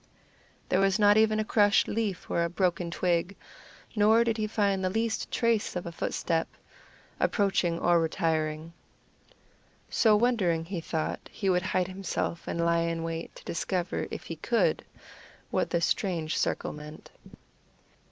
There was not even a crushed leaf or a broken twig, nor did he find the least trace of a footstep, approaching or retiring. So wondering he thought he would hide himself and lie in wait to discover, if he could, what this strange circle meant.